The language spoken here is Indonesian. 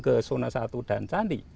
ke zona satu dan candi